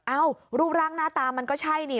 รูปร่างหน้าตามันก็ใช่นี่